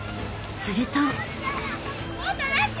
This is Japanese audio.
［すると］